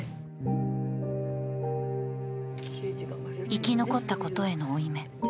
生き残ったことへの負い目。